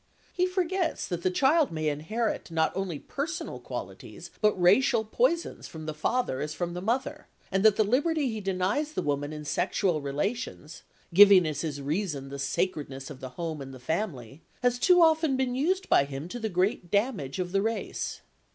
He forgets that the child may inherit not only personal qualities but racial poisons from the father as from the mother, and that the liberty he denies the woman in sexual relations (giving as his reason the sacredness of the home and the family) has too often been used by him to the great damage of the race.